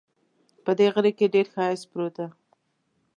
په دې غره کې ډېر ښایست پروت ده